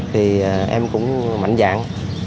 thì em cũng mạnh dạng